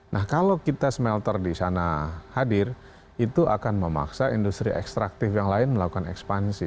nah kalau kita smelter di sana hadir itu akan memaksa industri ekstraktif yang lain melakukan ekspansi